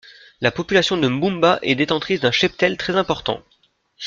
La population de Mboumba est détentrice d'un cheptel très important.